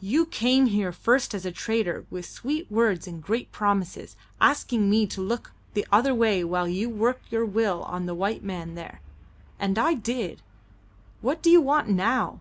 "You came here first as a trader with sweet words and great promises, asking me to look the other way while you worked your will on the white man there. And I did. What do you want now?